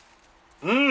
うん！